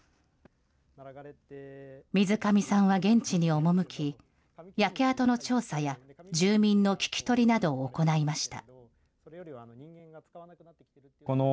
水上さんは現地に赴き、焼け跡の調査や住民の聞き取りなどを行いました。